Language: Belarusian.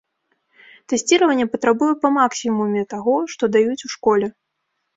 Тэсціраванне патрабуе па максімуме таго, што даюць у школе.